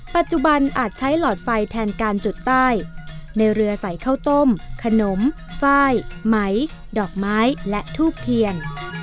ปัจจุบันอาจใช้หลอดไฟแทนการจุดใต้ในเรือใส่ข้าวต้มขนมฝ้ายไหมดอกไม้และทูบเทียน